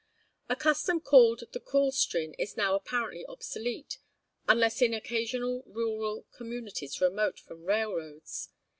A custom called the Coolstrin is now apparently obsolete, unless in occasional rural communities remote from railroads.